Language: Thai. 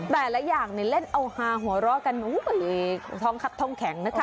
แต่ละอย่างในเล่นโอฮาร์หัวเราะกันโอ้โฮท่องครับท่องแข็งนะคะ